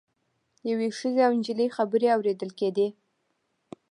یوې ښځې او نجلۍ خبرې اوریدل کیدې.